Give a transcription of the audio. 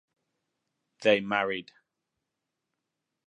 They married.